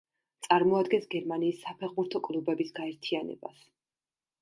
წარმოადგენს გერმანიის საფეხბურთო კლუბების გაერთიანებას.